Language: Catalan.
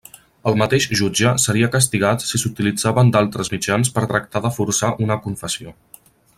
El mateix jutge seria castigat si s'utilitzaven d'altres mitjans per tractar de forçar una confessió.